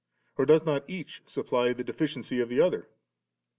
or does not each supply the deficiency of the other